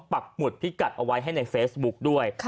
ปักหมุดพิกัดเอาไว้ให้ในเฟซบุ๊กด้วย